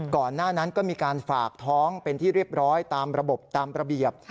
ก่อนหน้านั้นก็มีการฝากท้องเป็นที่เรียบร้อยตามระบบตามระเบียบ